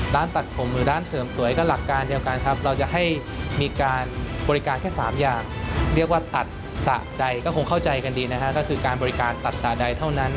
ตัดผมหรือร้านเสริมสวยก็หลักการเดียวกันครับเราจะให้มีการบริการแค่๓อย่างเรียกว่าตัดสะใจก็คงเข้าใจกันดีนะฮะก็คือการบริการตัดสายใดเท่านั้น